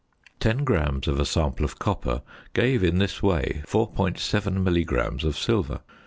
Ten grams of a sample of copper gave in this way 4.7 milligrams of silver.